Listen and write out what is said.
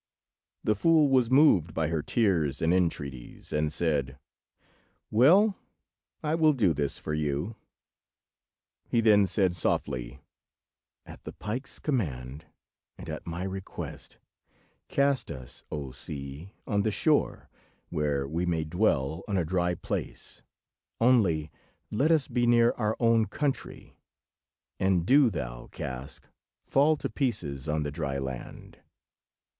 The fool was moved by her tears and entreaties, and said— "Well, I will do this for you." He then said softly— "At the pike's command, and at my request, cast us, O sea, on the shore, where we may dwell on a dry place, only let us be near our own country, and do thou, cask, fall to pieces on the dry land."